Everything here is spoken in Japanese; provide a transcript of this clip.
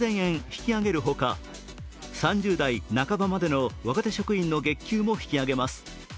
引き揚げる３０代半ばまでの、若手職員の月給も引き上げます。